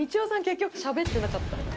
結局しゃべってなかった。